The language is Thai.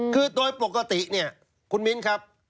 คือโดยปกติคุณมิ้นครับ